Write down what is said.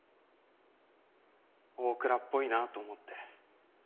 大倉っぽいなと思って。